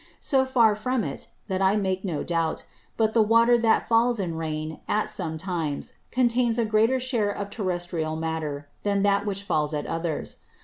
So far from it, that I make no doubt, but the Water that falls in Rain, at some times, contains a greater share of Terrestrial Matter than that which falls at others.